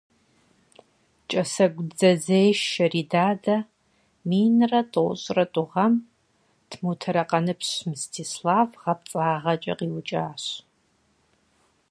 КӀэсэгу дзэзешэ Ридадэ минрэ тӏощӏрэ тӏу гъэм тмутэрэкъаныпщ Мстислав гъэпцӀагъэкӀэ къиукӀащ.